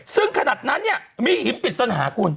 ซึ่งขนาดนั้นมีหิมปิดสัญหากุณ